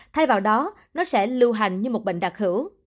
thay vào đó nó sẽ lưu hành như một bệnh đặc hữu